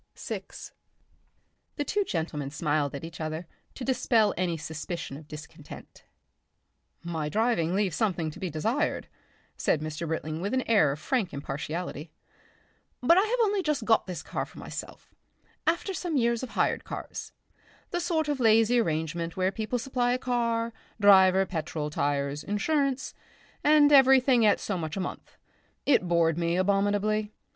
Section 6 The two gentlemen smiled at each other to dispel any suspicion of discontent. "My driving leaves something to be desired," said Mr. Britling with an air of frank impartiality. "But I have only just got this car for myself after some years of hired cars the sort of lazy arrangement where people supply car, driver, petrol, tyres, insurance and everything at so much a month. It bored me abominably.